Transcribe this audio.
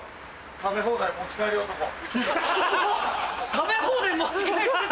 食べ放題持ち帰りで。